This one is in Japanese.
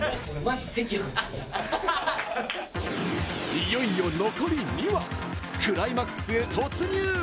いよいよ残り２話、クライマックス突入。